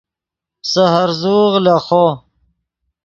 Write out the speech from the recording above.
سے ہرزوغ لیخو